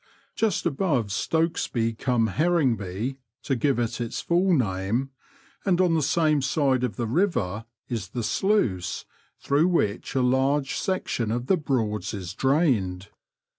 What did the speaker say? Just above Stokesby cum Herringby — to give it its full name — and on the same side of the river, is the sluice through which a large section of the Broads is drained.